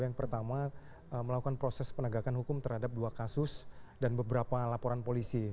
yang pertama melakukan proses penegakan hukum terhadap dua kasus dan beberapa laporan polisi